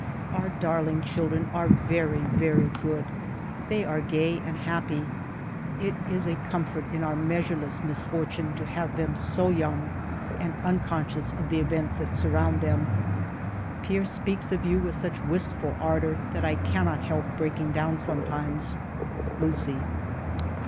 " Our darling children are very, very good. They are gay and happy. It is a comfort in our measureless misfortune to have them so young and unconscious of the events that sur round them. Pierre speaks of you with such wistful ardor that 1 cannot help breaking down sometimes. Lucie."